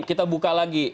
kita buka lagi